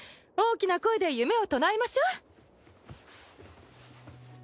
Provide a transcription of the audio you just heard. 大きな声で夢を唱えましょう！